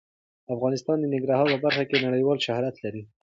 افغانستان د ننګرهار په برخه کې نړیوال شهرت لري.